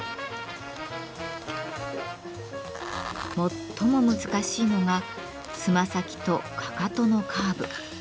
最も難しいのがつま先とかかとのカーブ。